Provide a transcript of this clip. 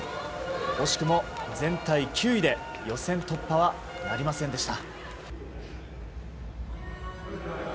惜しくも全体９位で予選突破はなりませんでした。